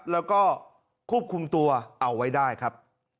แล้วก็ควบคุมตัวเอาไว้ได้ครับ